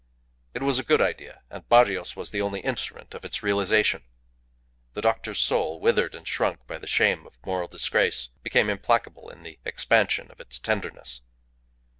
It was a good idea and Barrios was the only instrument of its realization. The doctor's soul, withered and shrunk by the shame of a moral disgrace, became implacable in the expansion of its tenderness.